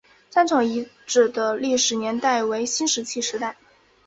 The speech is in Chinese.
山城遗址的历史年代为新石器时代。